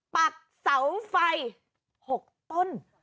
ปักเสาไฟ๖ต้น